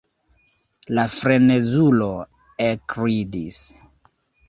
La frenezulo ekridis.